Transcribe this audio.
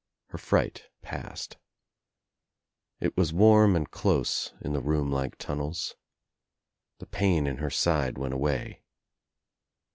Her fright passed. It was warm and close in the room like tunnels. The pain in her side went away.